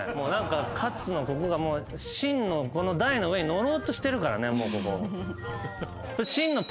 「勝」のここが「真」の台の上にのろうとしてるからね。